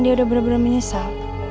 dia udah bener bener menyesal